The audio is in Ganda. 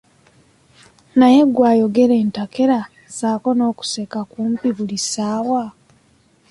Naye ggwe ayogera entakera, ssaako n'okuseka kumpi buli ssaawa.